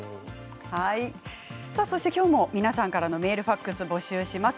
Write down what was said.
今日も皆さんからのメール、ファックスを募集します。